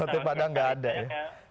oh sate padang nggak ada ya